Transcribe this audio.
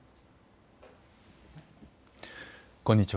こんにちは。